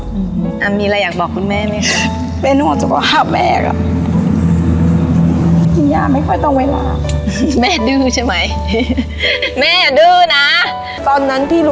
เซธีป้ายแดง